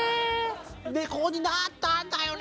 「猫になったんだよね」